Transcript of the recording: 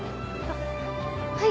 はい。